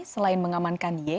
selain mengamankan ye